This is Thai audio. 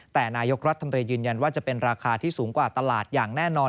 แต่นายกรัฐมนตรียืนยันว่าจะเป็นราคาที่สูงกว่าตลาดอย่างแน่นอน